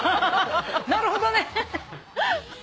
なるほどね！